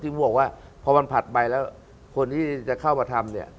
บอกว่าพอมันผัดไปแล้วคนที่จะเข้ามาทำเนี่ย